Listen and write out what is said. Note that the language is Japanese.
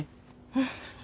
うん。